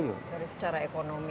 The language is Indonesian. dari secara ekonomi